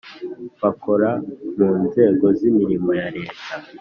bakora mu nzego z’imirimo ya leta